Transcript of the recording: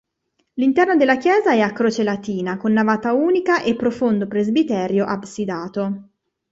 L'interno della chiesa è a croce latina, con navata unica e profondo presbiterio absidato.